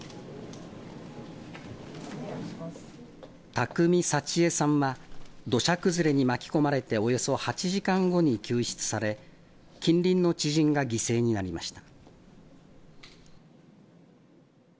工幸惠さんは土砂崩れに巻き込まれておよそ８時間後に救出され、近隣の知人が犠牲になりました。